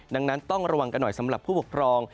ดังนั้นต้องระวังกันหน่อยสำหรับผู้ปกครอง